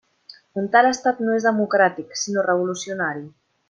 Un tal estat no és democràtic, sinó revolucionari.